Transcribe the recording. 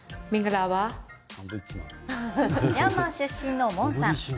ミャンマー出身のモンさん。